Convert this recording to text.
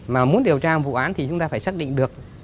mà muốn điều tra vụ án thì chúng ta phải xác định được